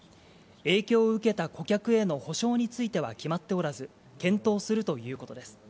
影響を受けた顧客への補償については決まっておらず、検討するということです。